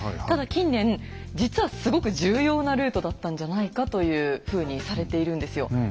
ただ近年実はすごく重要なルートだったんじゃないかというふうにされているんですよ。